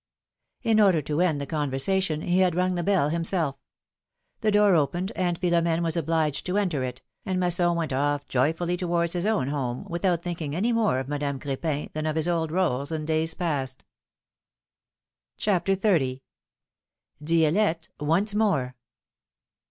In order to end the conversation, he had rung the bell himself. The door opened, and Philomene was obliged to enter it, and Masson went off joyfully towards his own home, without thinking any more of Madame Cr^pin than of his old r6les in days past. philomMe^s marriages. 229 CHAPTER XXX. DI^lLETTE ONCE MORE.